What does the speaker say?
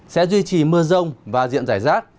sẽ duy trì mưa rông và diện giải rác